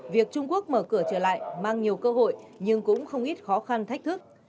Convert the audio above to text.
việc trung quốc mở cửa trở lại mang nhiều cơ hội nhưng cũng không ít khó khăn thách thức